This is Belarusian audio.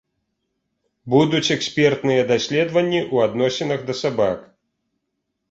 Будуць экспертныя даследаванні ў адносінах да сабак.